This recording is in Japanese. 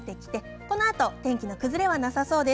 このあとも天気の崩れはなさそうです。